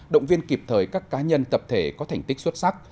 động viên kịp thời các cá nhân tập thể có thành tích xuất sắc